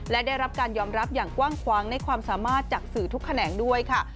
และได้รับการยอมรับอย่างกว้างคว้างในความสามารถจากสื่อทุกแขนงด้วยค่ะ